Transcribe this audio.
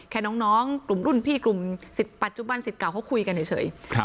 แค่น้องกลุ่มรุ่นพี่กลุ่มปัจจุบันสิทธิ์เก่าเขาคุยกันเฉย